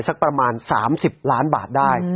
สักประมาณ๓๐ล้านบาทได้